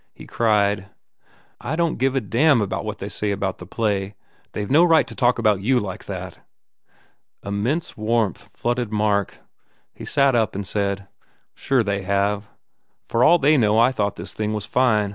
He cried, "I don t give a d damn what they say about the play! They ve no right to talk about you like that!" Immense warmth flooded Mark. He sat up and said, "Sure they have. For all they know I thought this thing was fine .